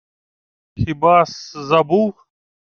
— Хіба-с забув?